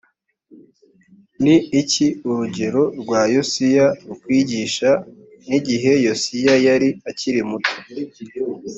ni iki urugero rwa yosiya rukwigisha n igihe yosiya yari akiri muto